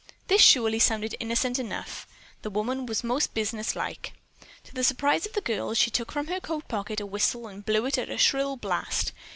This surely sounded innocent enough. The woman was most business like. To the surprise of the girls, she took from her coat pocket a whistle and blew upon it a shrill blast.